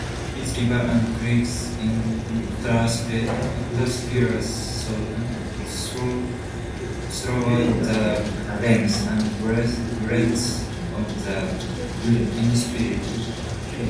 Its rivers and creeks intersperse throughout the length and breadth of the municipality.